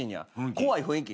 怖い雰囲気。